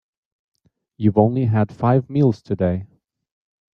You've only had five meals today.